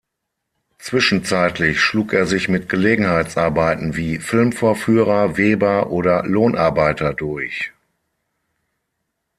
Zwischenzeitlich schlug er sich mit Gelegenheitsarbeiten wie Filmvorführer, Weber oder Lohnarbeiter durch.